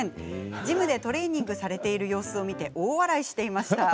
ジムでトレーニングをされている様子を見て大笑いをしていました。